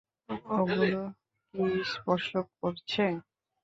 ওগুলো কী স্পর্শ করছে?